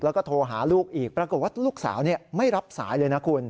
แล้วก็โทรหาลูกอีกปรากฏว่าลูกสาวไม่รับสายเลยนะคุณ